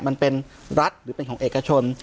มันเป็นรัฐหรือเป็นของเอกชน